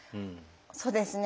そうですね。